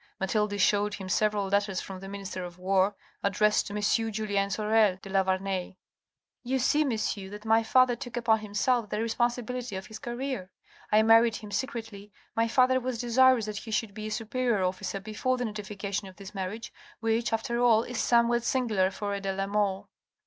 Mathilde shewed him several letters from the Minister of War, addressed to M. Julien Sorel de la Vernaye. " You see, monsieur, that my father took upon himself the responsibility of his career. I married him secretly, my father was desirous that he should be a superior officer before the notification of this marriage, which, after all, is somewhat singular for a de la Mole."